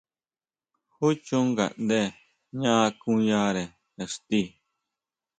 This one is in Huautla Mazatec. ¿Júchon ngaʼnde jña akuyare ixti?